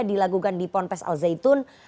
dilakukan di ponpes al zaitun